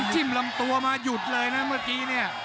้มลำตัวมาหยุดเลยนะเมื่อกี้เนี่ย